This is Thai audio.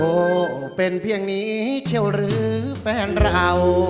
โอ้โหเป็นเพียงนี้เชี่ยวหรือแฟนเรา